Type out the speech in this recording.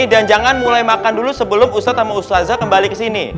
dan jangan mulai makan dulu sebelum ustadz sama ustazah kembali ke sini